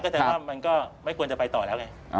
แสดงว่ามันก็ไม่ควรจะไปต่อแล้วไง